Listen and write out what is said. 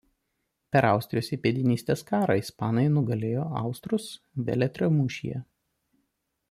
Per Austrijos įpėdinystės karą ispanai nugalėjo austrus Veletrio mūšyje.